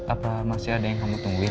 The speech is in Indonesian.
apa masih ada yang kamu tungguin